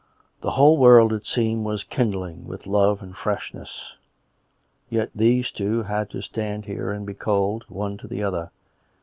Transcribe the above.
The whole world, it seemed, was kindling with love and freshness. Yet these two had to stand here and be cold, one to the other.